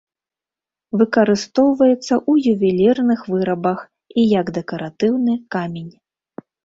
Выкарыстоўваецца ў ювелірных вырабах і як дэкаратыўны камень.